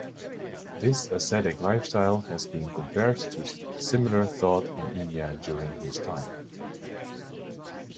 This ascetic lifestyle has been compared to similar thought in India during his time.